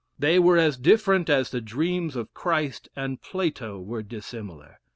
They were as different as the dreams of Christ and Plato were dissimilar.